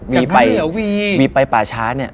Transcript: วีไปป่าช้า